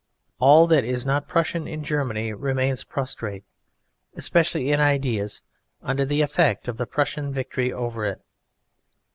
All that is not Prussian in Germany remains prostrate especially in ideas under the effect of the Prussian victory over it.